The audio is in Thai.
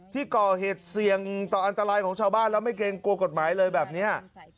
ที่ก่อเหตุเสี่ยงต่ออันตรายของชาวบ้านแล้วไม่เกรงกลัวกฎหมายเลยแบบนี้